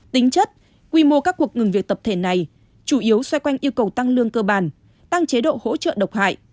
tính chất quy mô các cuộc ngừng việc tập thể này chủ yếu xoay quanh yêu cầu tăng lương cơ bản tăng chế độ hỗ trợ độc hại